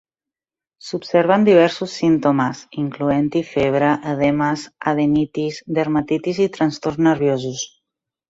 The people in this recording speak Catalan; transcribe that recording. S'observen diversos símptomes, incloent-hi febre, edemes, adenitis, dermatitis i trastorns nerviosos.